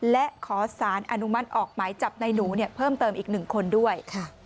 และขอสารอนุมัติออกหมายจับในหนูเพิ่มเติมอีก๑คนด้วย